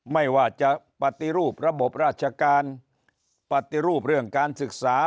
ไม่ว่าจะปฏิรูประบบราชการปฏิรูปเรื่องการศึกษา